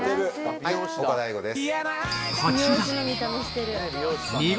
はい岡大悟です。